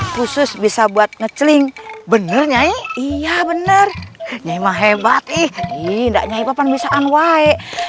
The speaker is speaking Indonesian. khusus bisa buat ngeceling bener nyai iya bener nyemang hebat ih ii ndak nyai papan bisaan wae